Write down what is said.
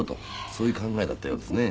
そういう考えだったようですね。